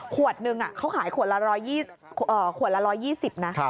ขวดหนึ่งเขาขายขนาดละ๑๒๐นะ